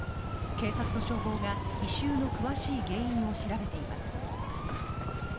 警察と消防が異臭の詳しい原因を調べています。